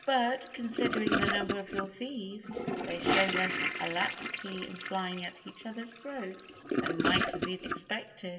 But, considering the number of your thieves, they show less alacrity in flying at each other's throats than might have been expected."